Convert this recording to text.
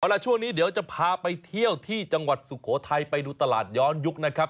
ละช่วงนี้เดี๋ยวจะพาไปเที่ยวที่จังหวัดสุโขทัยไปดูตลาดย้อนยุคนะครับ